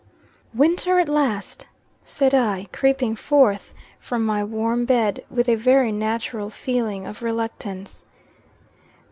"Winter at last," said I, creeping forth from my warm bed, with a very natural feeling of reluctance.